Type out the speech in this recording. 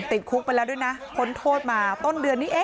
ติดคุกไปแล้วด้วยนะพ้นโทษมาต้นเดือนนี้เอง